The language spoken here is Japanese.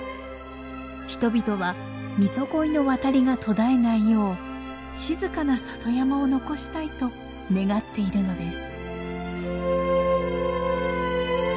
人々はミゾゴイの渡りが途絶えないよう静かな里山を残したいと願っているのです。